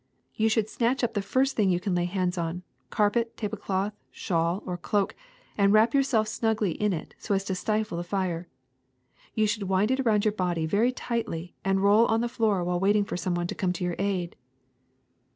You should snatch up the first thing you can lay hands on, carpet, table cloth, shawl, or cloak, and wrap yourself snugly in it so as to stifle the fire ; you should wind it around your body very tightly and roll on the floor while waiting for some one to come to your aid.'